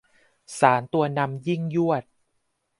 สารตัวนำยิ่งยวด